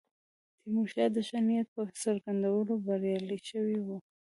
د تیمورشاه د ښه نیت په څرګندولو بریالي شوي وو.